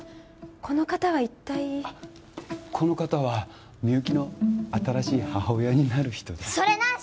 この方は一体この方はみゆきの新しい母親になる人でそれなし！